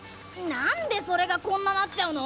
なんでそれがこんななっちゃうの？